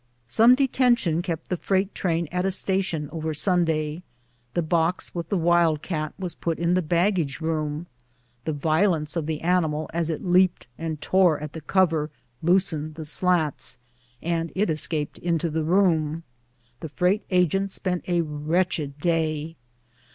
Some detention kept the freight train at a station over Sunday ; the box with the wild cat was put in the baggage room. The violence of the animal as it leaped and tore at the cover loosened the slats, and it escaped into the room. The freight agent spent a wretched day